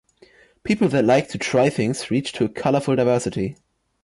People that like to try things reach to a colorful diversity.